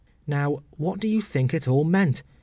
Now, what do you think it all meant?